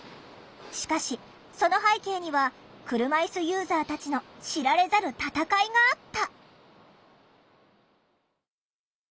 しかしその背景には車いすユーザーたちの知られざる闘いがあった。